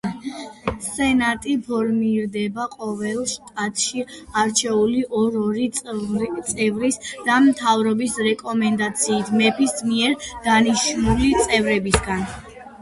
სენატი ფორმირდება ყოველ შტატში არჩეული ორ-ორი წევრის და მთავრობის რეკომენდაციით მეფის მიერ დანიშნული წევრებისაგან.